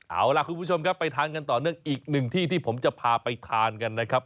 เอาล่ะคุณผู้ชมครับไปทานกันต่อเนื่องอีกหนึ่งที่ที่ผมจะพาไปทานกันนะครับ